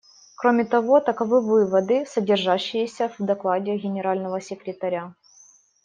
Кроме того, таковы выводы, содержащиеся в докладе Генерального секретаря.